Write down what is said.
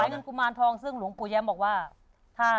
เงินกุมารทองซึ่งหลวงปู่แย้มบอกว่า